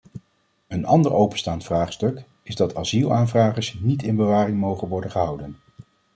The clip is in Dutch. Een ander openstaand vraagstuk is dat asielaanvragers niet in bewaring mogen worden gehouden.